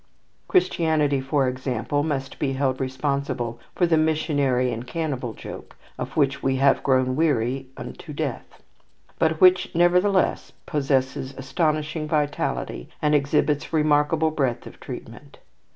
Christianity, for example, must be held responsible for the missionary and cannibal joke, of which we have grown weary unto death; but which nevertheless possesses astonishing vitality, and exhibits remarkable breadth of treatment.